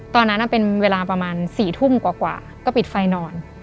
ตอนนั้นเป็นเวลาประมาณ๔ทุ่มกว่าก็ปิดไฟนอน